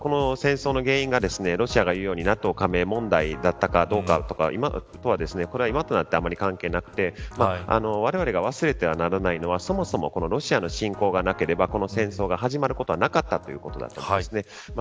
この戦争の原因がロシアが言うようにＮＡＴＯ加盟が問題だったかどうかとかこれは今となってはあまり関係なくてわれわれが忘れてはならないのはそもそもロシアの侵攻がなければ、この戦争が始まることはなかったということです。